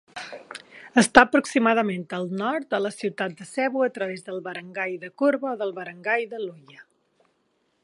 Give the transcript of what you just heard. Està aproximadament al nord de la ciutat de Cebu a través del barangay de Curva o del barangay de Luya.